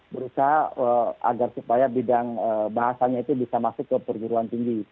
berusaha agar bidang bahasanya bisa masuk ke perguruan tinggi